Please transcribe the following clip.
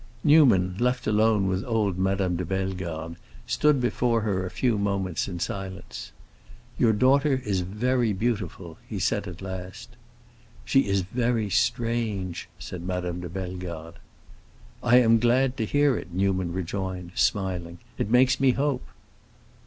Newman, left alone with old Madame de Bellegarde, stood before her a few moments in silence. "Your daughter is very beautiful," he said at last. "She is very strange," said Madame de Bellegarde. "I am glad to hear it," Newman rejoined, smiling. "It makes me hope."